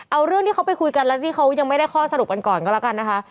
เอาเรื่องที่เขาไปคุยกันแล้วที่เขายังไม่ได้ข้อสรุปกันก่อนก็แล้วกันนะคะ